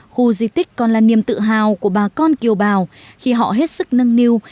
khu di tích còn là niềm tự hào của bà con kiều bào khi họ hết sức nâng niu